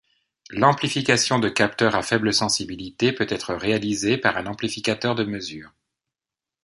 L'amplification de capteurs à faible sensibilité peut être réalisée par un amplificateur de mesure.